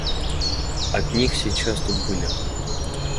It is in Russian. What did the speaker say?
От них сейчас тут были.